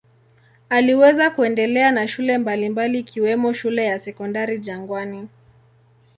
Aliweza kuendelea na shule mbalimbali ikiwemo shule ya Sekondari Jangwani.